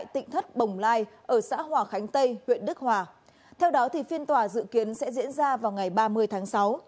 theo đó phiên tòa dự kiến sẽ diễn ra vào ngày ba mươi tháng sáu